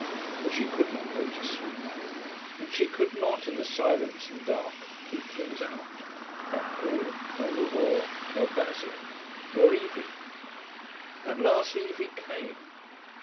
But she could not go to sleep. And she could not, in the silence and dark, keep things out; not Paul; nor the war; nor Basil; nor Evie. At last Evie came.